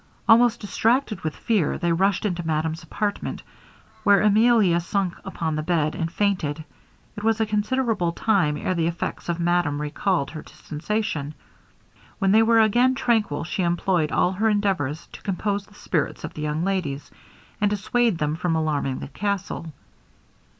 Almost distracted with fear, they rushed into madame's apartment, where Emilia sunk upon the bed and fainted. It was a considerable time ere the efforts of madame recalled her to sensation. When they were again tranquil, she employed all her endeavours to compose the spirits of the young ladies, and dissuade them from alarming the castle.